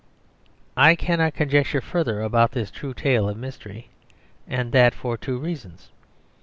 I cannot conjecture further about this true tale of mystery; and that for two reasons.